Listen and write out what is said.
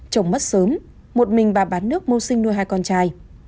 chồng mất sớm một mình bà bán nước mưu sinh nuôi hai con trai